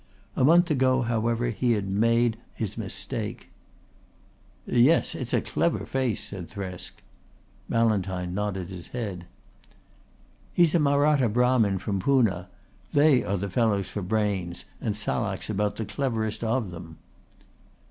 A month ago, however, he had made his mistake. "Yes. It's a clever face," said Thresk. Ballantyne nodded his head. "He's a Mahratta Brahmin from Poona. They are the fellows for brains, and Salak's about the cleverest of them."